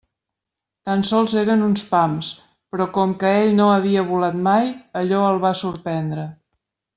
Tan sols eren uns pams, però com que ell no havia volat mai, allò el va sorprendre.